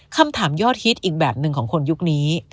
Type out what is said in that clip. คำถามยอดฮิตอีกแบบหนึ่งของคนยุคนี้